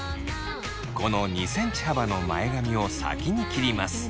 この２ｃｍ幅の前髪を先に切ります。